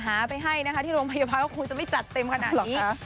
หาไปให้นะคะที่โรงพยาบาลก็คงจะไม่จัดเต็มขนาดนี้